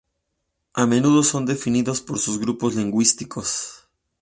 A menudo son definidos por sus grupos lingüísticos.